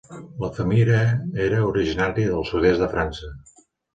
La família era originària del sud-est de França.